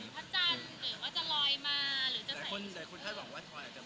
พระจันทร์หรือว่าจะลอยมา